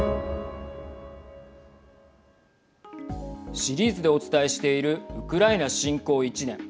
シリーズでお伝えしているウクライナ侵攻１年。